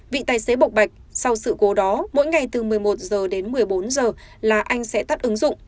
vị tài xế bộc bạch sau sự cố đó mỗi ngày từ một mươi một h đến một mươi bốn h là anh sẽ tắt ứng dụng